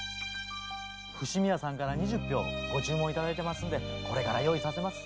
伏見屋さんから二十俵ご注文いただいてますんでこれから用意させます。